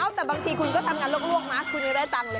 แต่บางทีคุณก็ทำงานลวกนะคุณยังได้ตังค์เลย